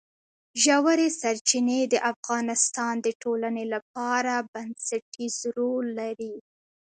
ژورې سرچینې د افغانستان د ټولنې لپاره بنسټيز رول لري.